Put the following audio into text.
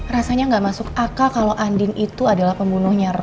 rasanya nggak masuk akal kalau andin itu adalah pembunuhnya